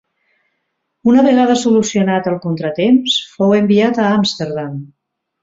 Una vegada solucionat el contratemps fou enviat a Amsterdam.